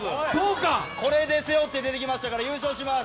これで背負って出てきましたから優勝します。